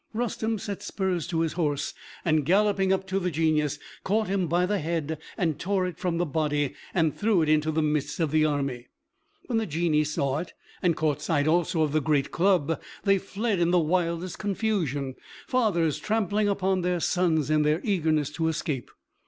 Rustem set spurs to his horse, and galloping up to the Genius, caught him by the head, tore it from the body, and threw it into the midst of the army. When the Genii saw it, and caught sight also of the great club, they fled in the wildest confusion, fathers trampling upon their sons in their eagerness to escape.